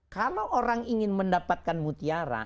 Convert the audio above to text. kalau orang ingin mendapatkan mutiara